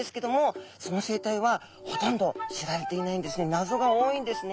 謎が多いんですね。